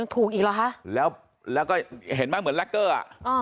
ถูกอีกเหรอคะแล้วแล้วก็เห็นไหมเหมือนแล็กเกอร์อ่ะ